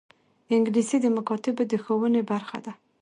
انګلیسي د مکاتبو د ښوونې برخه ده